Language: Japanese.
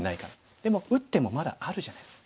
でも打ってもまだあるじゃないですか。